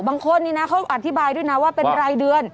บางคนนี้นะเขาอธิบายด้วยนะว่าเป็นรายเดือน